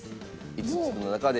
５つの中で。